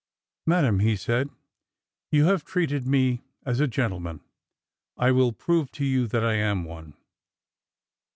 ''Madam," he said, "you have treated me as a ''gen tleman. I will prove to you that I am one.